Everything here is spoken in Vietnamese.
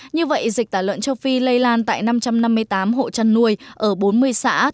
như vậy dịch tả lợn châu phi lây lan tại năm trăm năm mươi tám hộ chăn nuôi ở bốn mươi xã